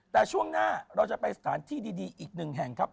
แต่ช่วงหน้าเราจะไปสถานที่ดีอีกหนึ่งแห่งครับ